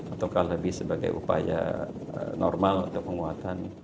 atau kalau lebih sebagai upaya normal atau penguatan